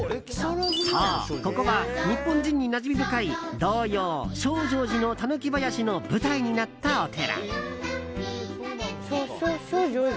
そう、ここは日本人になじみ深い童謡「証城寺の狸ばやし」の舞台になったお寺。